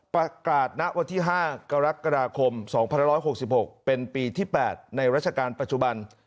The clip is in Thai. ณวันที่๕กรกฎาคม๒๑๖๖เป็นปีที่๘ในราชการปัจจุบัน